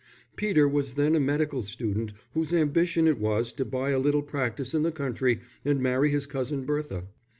Peter was then a medical student whose ambition it was to buy a little practice in the country and marry his cousin Bertha.